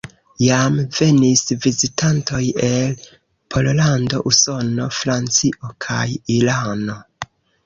Jam venis vizitantoj el Pollando, Usono, Francio kaj Irano.